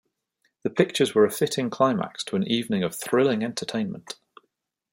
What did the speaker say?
The pictures were a fitting climax to an evening of thrilling entertainment.